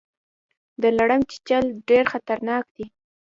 د لړم چیچل ډیر خطرناک دي